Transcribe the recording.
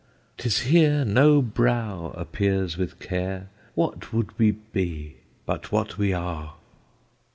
'Tis here no brow appears with care, What would we be, but what we are?